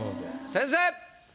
先生！